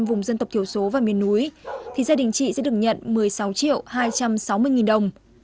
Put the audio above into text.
vùng dân tộc thiểu số và miền núi thì gia đình chị sẽ được nhận một mươi sáu triệu hai trăm sáu mươi nghìn đồng